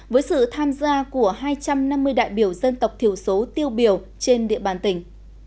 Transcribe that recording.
với sự tham gia của hai trăm năm mươi đại biểu dân tộc thiểu số tiêu biểu trên địa bàn tỉnh